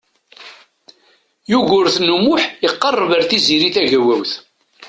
Yugurten U Muḥ iqerreb ar Tiziri Tagawawt.